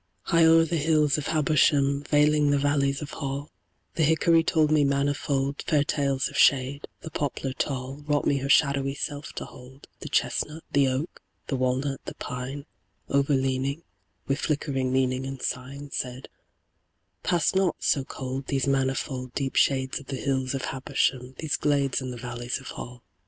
High o'er the hills of Habersham, Veiling the valleys of Hall, The hickory told me manifold Fair tales of shade, the poplar tall Wrought me her shadowy self to hold, The chestnut, the oak, the walnut, the pine, Overleaning, with flickering meaning and sign, Said, `Pass not, so cold, these manifold Deep shades of the hills of Habersham, These glades in the valleys of Hall.'